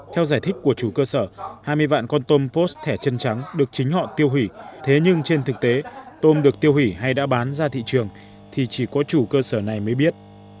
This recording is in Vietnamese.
theo giải thích của chủ cơ sở hai mươi vạn con tôm bố thẻ chân trắng được chính họ tiêu hủy thế nhưng trên thực tế tôm được tiêu hủy hay đã bán ra thị trường thì chỉ có chủ cơ sở này mới biết